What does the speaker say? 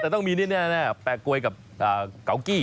แต่ต้องมีแน่แปลกวยกับเกากี้